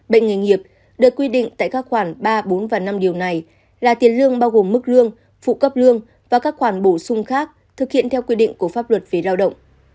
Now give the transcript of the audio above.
bệnh nghề nghiệp được quy định tại các khoản ba bốn và năm điều này là tiền lương bao gồm mức lương phụ cấp lương và các khoản bổ sung khác thực hiện theo quy định của pháp luật về lao động